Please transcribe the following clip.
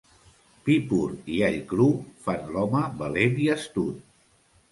Vi pur i all cru fan l'home valent i astut.